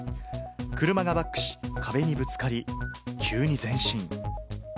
車がバックし、壁にぶつかり、急に前進。